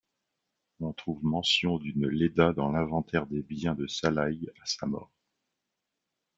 On trouve mention d’une Léda dans l’inventaire des biens de Salaï à sa mort.